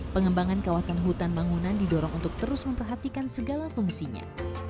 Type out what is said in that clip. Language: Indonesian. pengembangan kawasan hutan bangunan didorong untuk terus memperhatikan segala fungsinya